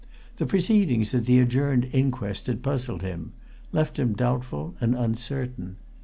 The proceedings at the adjourned inquest had puzzled him; left him doubtful and uncertain.